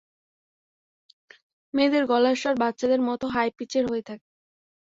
মেয়েদের গলার স্বর বাচ্চাদের মতো হাই পিচের হয়ে থাকে।